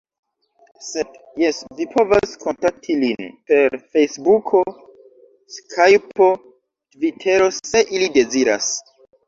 Sed, jes vi povas kontakti lin per fejsbuko, skajpo, tvitero se ili deziras.